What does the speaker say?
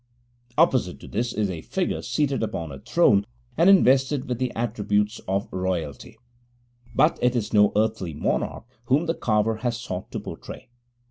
Opposite to this is a figure seated upon a throne and invested with the attributes of royalty; but it is no earthly monarch whom the carver has sought to portray.